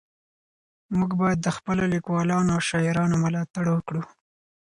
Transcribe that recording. موږ باید د خپلو لیکوالانو او شاعرانو ملاتړ وکړو.